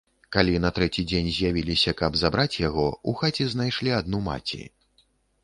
Калі на трэці дзень з'явіліся, каб забраць яго, у хаце знайшлі адну маці.